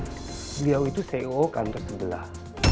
beliau itu ceo kantor sebelah